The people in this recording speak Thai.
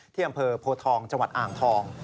ที่อำเภอโพทองจังหวัดอ่างทอง